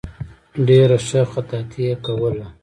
ډېره ښه خطاطي یې کوله.